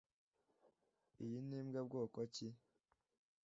Iyi ni imbwa bwoko ki?